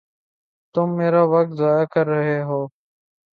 تم میرا وقت ضائع کر رہے ہو